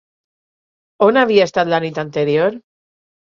On havia estat la nit anterior?